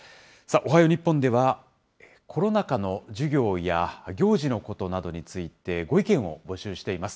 おはよう日本では、コロナ禍の授業や行事のことなどについて、ご意見を募集しています。